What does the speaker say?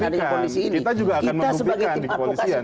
jadi pemerintah yang pilih kepolisian